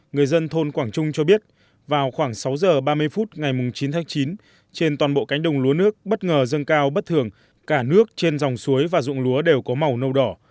người dân thôn quảng trung cho biết vào khoảng sáu giờ ba mươi phút ngày chín tháng chín trên toàn bộ cánh đồng lúa nước bất ngờ dâng cao bất thường cả nước trên dòng suối và ruộng lúa đều có màu nâu đỏ